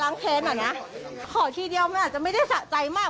ฮะตั้งใจจะมาล้างเท้นอ่ะนะขอทีเดียวมันอาจจะไม่ได้สะใจมาก